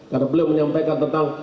karena belum menyampaikan tentang